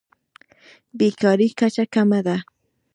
د بیکارۍ کچه کمه ده.